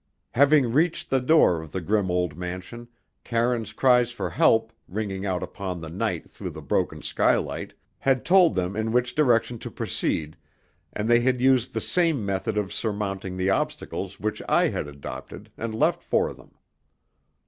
Having reached the door of the grim old mansion, Karine's cries for help, ringing out upon the night through the broken skylight, had told them in which direction to proceed, and they had used the same method of surmounting the obstacles which I had adopted and left for them.